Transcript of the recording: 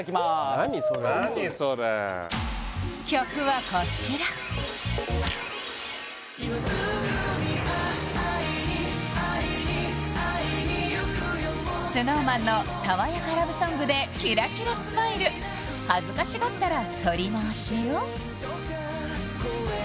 何それ何それ曲はこちらＳｎｏｗＭａｎの爽やかラブソングでキラキラスマイル恥ずかしがったら撮り直しよ